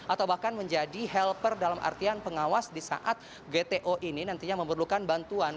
atau bahkan menjadi helper dalam artian pengawas di saat gto ini nantinya memerlukan bantuan